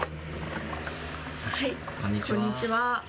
こんにちは。